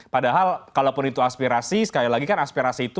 padahal kalaupun itu aspirasi sekali lagi kan aspirasi itu